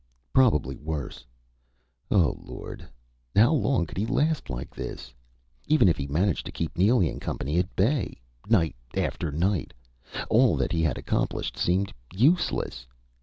Probably worse. Oh Lord how long could he last like this? Even if he managed to keep Neely and Company at bay? Night after night.... All that he had accomplished seemed useless.